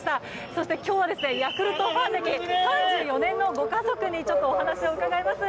そして、今日はヤクルトファン歴３６年のご家族にお話を伺います。